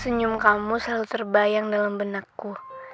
senyum kamu selalu terbayang dalam benakku